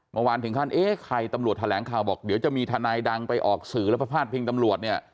เมื่อวานถึงขั้นเอ๊ะใครตำรวจแถลงข่าวบอกเดี๋ยวจะมีทนายดังไปออกสื่อแล้วไปพาดพิงตำรวจเนี่ย